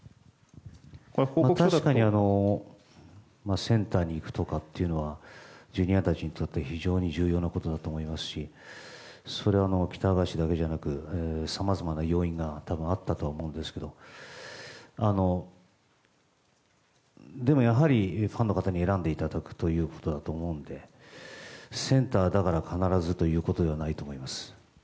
確かにセンターに行くとかというのはＪｒ．たちにとって非常に重要なことだと思いますしそれは喜多川氏だけじゃなくさまざまな要因が多分、あったとは思うんですけどでも、やはりファンの方に選んでいただくということだと思うのでセンターだから必ずということではないと思います。